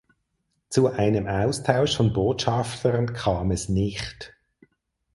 Zu einem Austausch von Botschaftern kam es nicht.